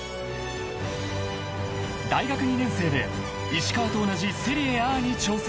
［大学２年生で石川と同じセリエＡに挑戦］